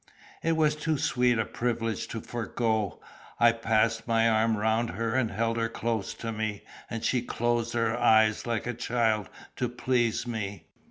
It was too sweet a privilege to forego; I passed my arm around her and held her close to me; and she closed her eyes like a child, to please me.